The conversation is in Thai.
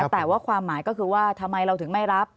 แต่ว่าความหมายก็คือว่าทำไมเราถึงไม่รับ